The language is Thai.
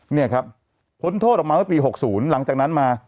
เนี่ยครับพ้นโทษออกมาเมื่อปี๖๐หลังจากนั้นมา